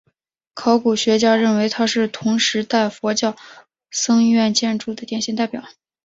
考古学家认为它是同时代佛教僧院建筑的典型代表。